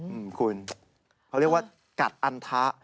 อืมคุณเขาเรียกว่ากัดอันทะ